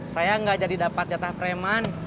saya nggak jadi dapat nyata freman